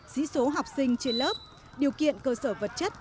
dĩ số học sinh trên lớp điều kiện cơ sở vật chất